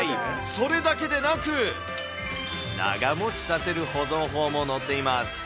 それだけでなく、長もちさせる保存法も載っています。